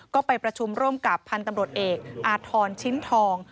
ก็ไปประชุมร่วมกับพันธุ์ตำรวจเอกอาทรชิ้นทอง